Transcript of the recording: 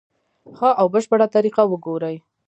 ښه او بشپړه طریقه وګوري.